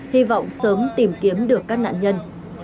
hy vọng sớm tìm kiếm được các nạn nhân